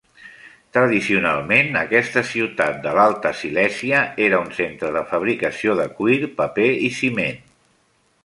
Tradicionalment, aquesta ciutat de l'Alta Silèsia era un centre de fabricació de cuir, paper i ciment.